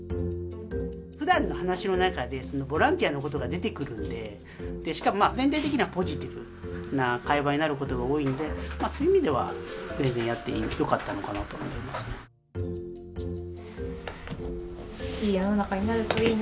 ふだんの話の中で、ボランティアのことが出てくるんで、しかも、全体的にはポジティブな会話になることが多いんで、そういう意味では、全然やってよかったのかなと思いますね。